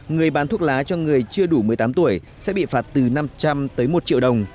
người bán thuốc lá cho người chưa đủ một mươi tám tuổi sẽ bị phạt từ năm trăm linh tới một triệu đồng